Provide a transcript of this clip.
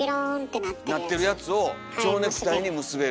なってるやつをちょうネクタイに結べる。